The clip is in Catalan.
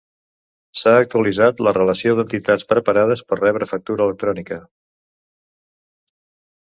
S'ha actualitzat la relació d'entitats preparades per rebre factura electrònica.